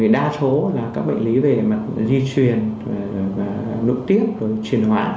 đa số các bệnh lý về mặt di truyền lũ tiết truyền hóa